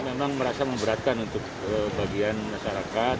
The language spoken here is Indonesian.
memang merasa memberatkan untuk bagian masyarakat